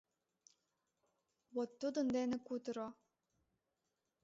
Вот тудын дене кутыро!